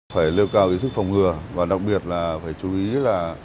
phải lưu cao ý thức phòng ngừa và đặc biệt là phải chú ý là